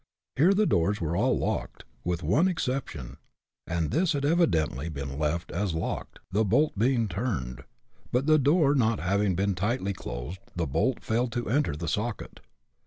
Here the doors were all locked, with one exception, and this had evidently been left as locked, the bolt being turned, but the door not having been tightly closed, the bolt failed to enter the socket.